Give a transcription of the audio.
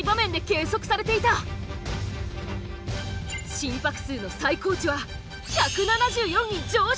心拍数の最高値は１７４に上昇！